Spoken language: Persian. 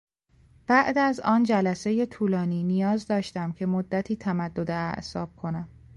بعد از آن جلسهی طولانی نیاز داشتم که مدتی تمدد اعصاب کنم.